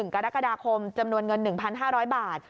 ๑กรกฎาคมจำนวนเงิน๑๕๐๐บาท